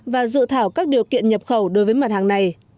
và dự thảo các điều kiện nhập khẩu đối với mặt hàng này